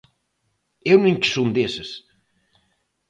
Eu non che son deses.